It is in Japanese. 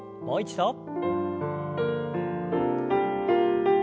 もう一度。